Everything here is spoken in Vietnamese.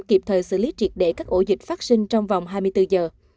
kịp thời xử lý triệt để các ổ dịch phát sinh trong vòng hai mươi bốn giờ